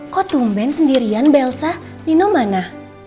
kok tumben sendirian bel nino mana